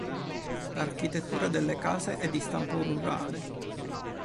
L'architettura delle case è di stampo rurale.